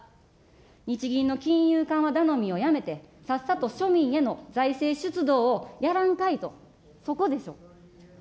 日銀の金融緩和頼みをやめて、さっさと庶民への財政出動をやらんかいと、そこでしょ。